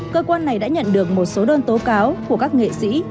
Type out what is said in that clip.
cơ quan này đã nhận được một số đơn tố cáo của các nghệ sĩ